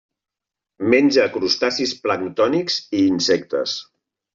Menja crustacis planctònics i insectes.